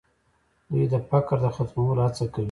دوی د فقر د ختمولو هڅه کوي.